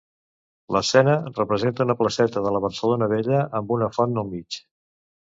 L'escena representa una placeta de la Barcelona vella, amb una font al mig.